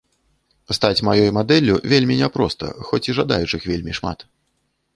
Стаць маёй мадэллю вельмі няпроста, хоць і жадаючых вельмі шмат.